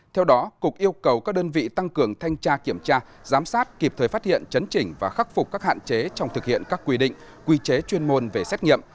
theo đó cục yêu cầu các đơn vị tăng cường thanh tra kiểm tra giám sát kịp thời phát hiện chấn chỉnh và khắc phục các hạn chế trong thực hiện các quy định quy chế chuyên môn về xét nghiệm